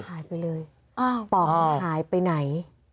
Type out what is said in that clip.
หายไปเลยป๋องหายไปไหน